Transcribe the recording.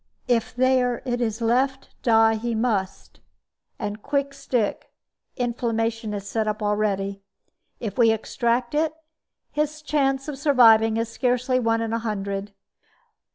If there it is left, die he must, and quick stick; inflammation is set up already. If we extract it, his chance of surviving is scarcely one in a hundred."